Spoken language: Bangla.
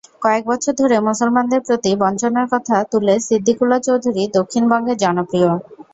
কয়েক বছর ধরে মুসলমানদের প্রতি বঞ্চনার কথা তুলে সিদ্দিকুল্লা চৌধুরী দক্ষিণবঙ্গে জনপ্রিয়।